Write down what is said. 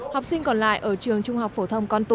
học sinh còn lại ở trường trung học phổ thông con tum